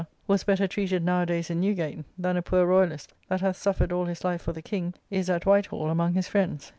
was better treated now a days in Newgate, than a poor Royalist, that hath suffered all his life for the King, is at White Hall among his friends.